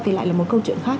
thì lại là một câu chuyện khác